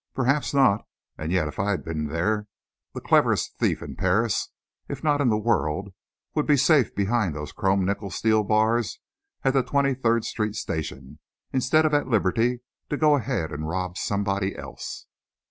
"Perhaps not. And yet, if I had been there, the cleverest thief in Paris, if not in the world, would be safe behind those chrome nickle steel bars at the Twenty third Street station, instead of at liberty to go ahead and rob somebody else."